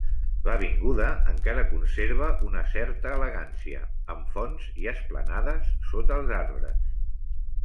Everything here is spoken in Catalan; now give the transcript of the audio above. L'avinguda encara conserva una certa elegància, amb fonts i esplanades sota els arbres.